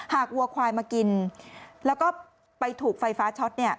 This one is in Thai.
วัวควายมากินแล้วก็ไปถูกไฟฟ้าช็อต